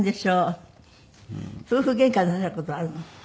夫婦ゲンカなさる事はあるの？